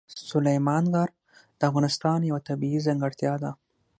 سلیمان غر د افغانستان یوه طبیعي ځانګړتیا ده.